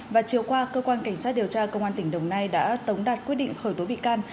và chiều qua cơ quan cảnh sát điều tra công an tỉnh đồng nai đã tống đạt quyết định khởi tố bị can